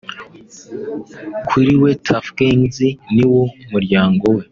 Kuri we Tuff Gangs niwo muryango we